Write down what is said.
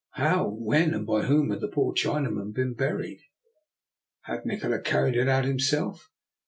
How, when, and by whom had the poor Chinaman been buried? Had Nikola carried it out himself?